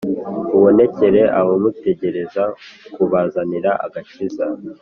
abonekerere abamutegereza kubazanira agakiza.